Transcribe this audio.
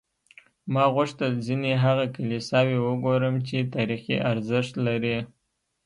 ما غوښتل ځینې هغه کلیساوې وګورم چې تاریخي ارزښت لري.